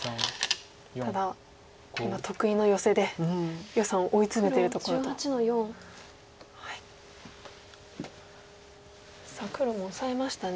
ただ今得意のヨセで余さんを追い詰めてるところと。さあ黒もオサえましたね。